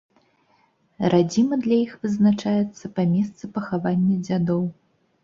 Радзіма для іх вызначаецца па месцы пахавання дзядоў.